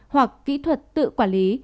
hoặc kỹ thuật tự quản lý